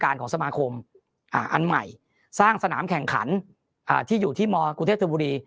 ของสมาคมอันใหม่สร้างสนามแข่งขันที่อยู่ที่มกรุงเทพธบุรี